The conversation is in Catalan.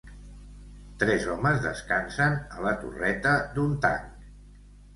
Tres homes descansen a la torreta d'un tanc